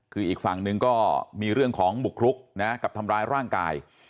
คืออีกฝั่งหนึ่งก็มีเรื่องของบุกรุกนะกับทำร้ายร่างกาย